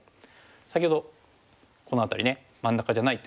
先ほどこの辺り真ん中じゃないって。